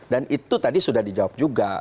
dan itu tadi sudah dijawab juga